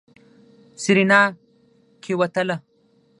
سېرېنا کېوتله.